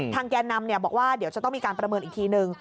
แกนนำบอกว่าเดี๋ยวจะต้องมีการประเมินอีกทีนึง